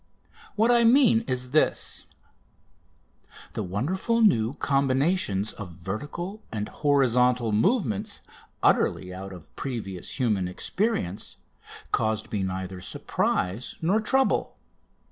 What I mean is this: The wonderful new combinations of vertical and horizontal movements, utterly out of previous human experience, caused me neither surprise nor trouble.